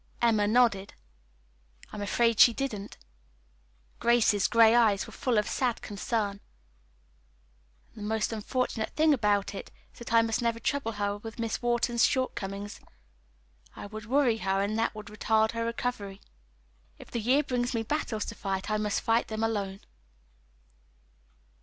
Emma nodded. "I am afraid she didn't." Grace's gray eyes were full of sad concern. "And the most unfortunate thing about it is that I must never trouble her with Miss Wharton's shortcomings. It would worry her, and that would retard her recovery. If the year brings me battles to fight, I must fight them alone."